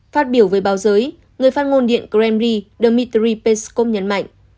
phát biểu với báo giới người phát ngôn điện kremri dmitry peskov nhấn mạnh